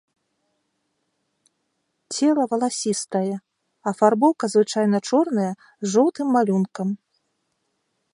Цела валасістае, афарбоўка звычайна чорная з жоўтым малюнкам.